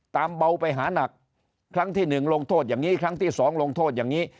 เบาไปหานักครั้งที่หนึ่งลงโทษอย่างนี้ครั้งที่สองลงโทษอย่างนี้